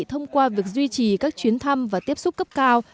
thông qua việc duy trì các chuyến thăm và tiếp xúc cấp cao